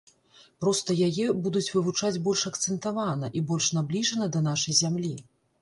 Проста яе будуць вывучаць больш акцэнтавана і больш набліжана да нашай зямлі.